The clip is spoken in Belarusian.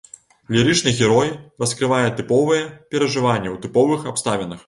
Лірычны герой раскрывае тыповыя перажыванні ў тыповых абставінах.